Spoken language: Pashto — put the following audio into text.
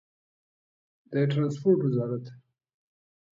د ټرانسپورټ وزارت